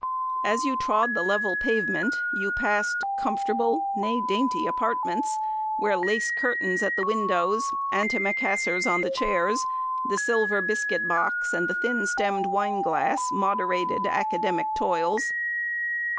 As you trod the level pavement, you passed comfortable nay, dainty apartments, where lace curtains at the windows, antimacassars on the chairs, the silver biscuit box and the thin stemmed wine glass moderated academic toils.